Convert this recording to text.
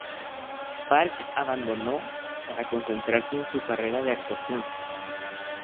Park abandonó para concentrarse en su carrera de actuación.